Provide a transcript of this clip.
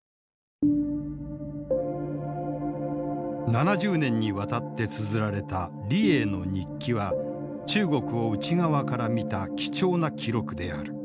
７０年にわたってつづられた李鋭の日記は中国を内側から見た貴重な記録である。